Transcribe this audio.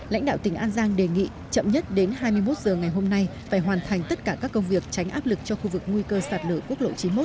lãnh đạo tỉnh an giang đề nghị chậm nhất đến hai mươi một giờ ngày hôm nay phải hoàn thành tất cả các công việc tránh áp lực cho khu vực nguy cơ sạt lở quốc lộ chín mươi một